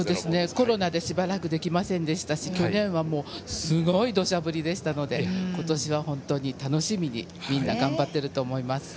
コロナでしばらくできませんでしたし去年はすごい土砂降りでしたので今年は本当に楽しみにみんな頑張っていると思います。